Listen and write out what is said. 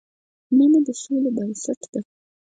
مینه د سولې بنسټ ده.